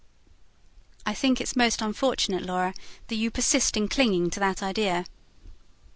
"I think it's most unfortunate, Laura, that you persist in clinging to that idea."